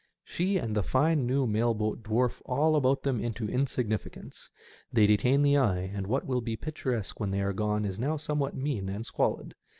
She and the fine new mail boat dwarf all about them into insignificance. They detain the eye, and what will be picturesque when they are gone is now somewhat mean and squalid.